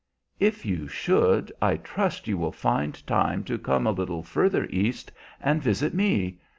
"If you should, I trust you will find time to come a little further East and visit me?